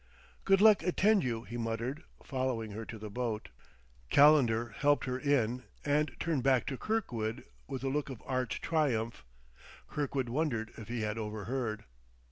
"Good luck attend you," he muttered, following her to the boat. Calendar helped her in and turned back to Kirkwood with a look of arch triumph; Kirkwood wondered if he had overheard.